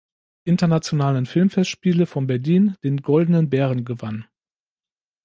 Internationalen Filmfestspiele von Berlin, den Goldenen Bären, gewann.